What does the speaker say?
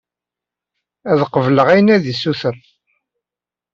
Ad qebleɣ ayen ara d-yessuter.